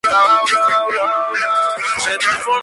Esto pese a ser llanura bajo las faldas de los Andes.